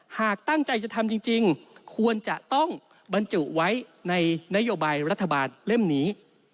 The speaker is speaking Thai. หากตั้งใจจะทำจริงควรจะต้องบรรจุไว้ในนโยบายรัฐบาลเล่มนี้